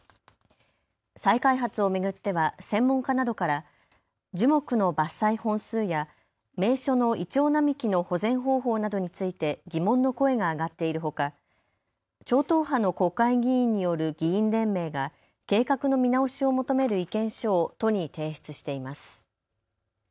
再開発を巡っては専門家などから樹木の伐採本数や名所のイチョウ並木の保全方法などについて疑問の声が上がっているほか、超党派の国会議員による議員連盟が計画の見直しを求める意見書を都に提出しています。